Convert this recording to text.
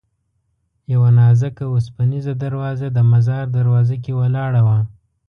یوه نازکه اوسپنیزه دروازه د مزار دروازه کې ولاړه وه.